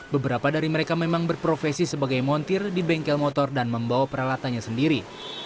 beberapa dari mereka memang berprofesi sebagai montir di bengkel motor dan membawa peralatannya sendiri